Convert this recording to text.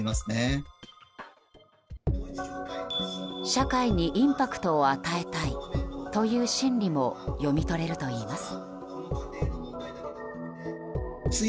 社会にインパクトを与えたいという心理も読み取れるといいます。